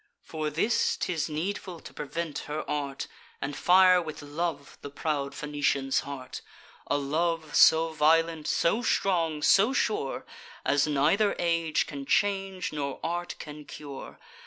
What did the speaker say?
For this 'tis needful to prevent her art, And fire with love the proud Phoenician's heart: A love so violent, so strong, so sure, As neither age can change, nor art can cure.